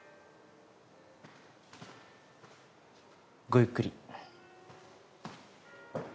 ごゆっくり。